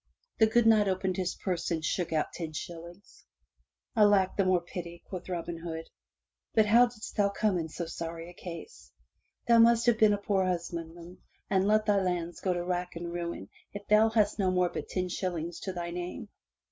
*' The good Knight opened his purse and shook out ten shillings. "Alack! the more pity,*' quoth Robin Hood. "But how didst thou come in so sorry a case? Thou must have been a poor husbandman and let thy lands go to rack and ruin if thou hast no more but ten shillings to thy name.